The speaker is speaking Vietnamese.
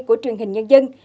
của truyền hình nhân dân